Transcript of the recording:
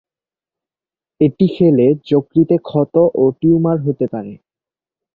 এটি খেলে যকৃতে ক্ষত ও টিউমার হতে পারে।